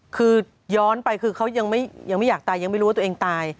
คือย้อนไปคือเขายังไม่อยากตายยังไม่รู้ว่าตัวเองตาย